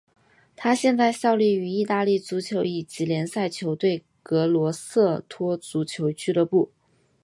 他现在效力于意大利足球乙级联赛球队格罗瑟托足球俱乐部。